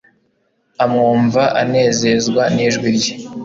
amwumva anezezwa n'ijwi rye.